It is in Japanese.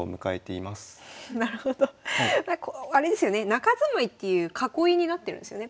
中住まいっていう囲いになってるんですよね